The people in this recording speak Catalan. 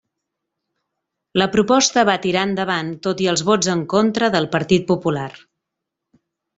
La proposta va tirar endavant tot i els vots en contra del Partit Popular.